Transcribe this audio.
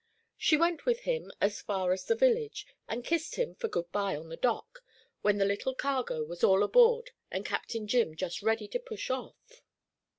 She went with him as far as the village, and kissed him for good by on the dock, when the little cargo was all on board and Captain Jim just ready to push off.